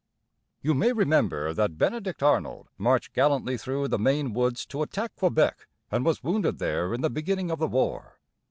You may remember that Benedict Arnold marched gallantly through the Maine woods to attack Quebec, and was wounded there in the beginning of the war.